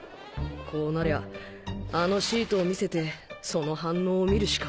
こうなりゃあのシートを見せてその反応を見るしか